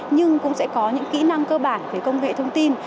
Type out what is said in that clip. nhưng cũng sẽ có những kỹ năng cơ bản về công nghệ thông tin